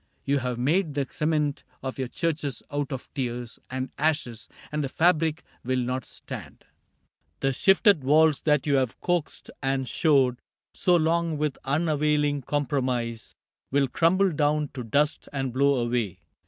You have made The cement of your churches out of tears And ashes, and the fabric will not stand : The shifted walls that you have coaxed and shored So long with unavailing compromise Will crumble down to dust and blow away.